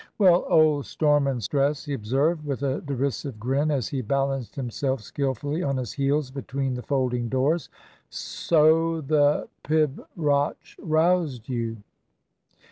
"Well, old Storm and Stress," he observed, with a derisive grin, as he balanced himself skilfully on his heels between the folding doors, "so the pibroch roused you?"